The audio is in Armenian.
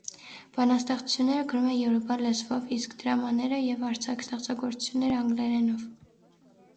Բանաստեղծությունները գրում է յորուբա լեզվով, իսկ դրամաները և արձակ ստեղծագործությունները՝ անգլերենով։